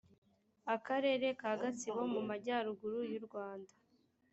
akarere ka gatsibo mu majyaruguru yurwanda